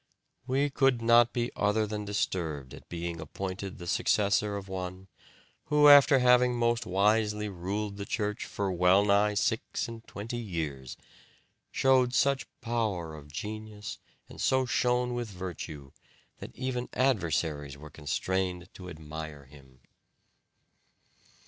"We could not be other than disturbed at being appointed the successor of one who, after having most wisely ruled the Church for well nigh six and twenty years, showed such power of genius and so shone with virtue that even adversaries were constrained to admire him."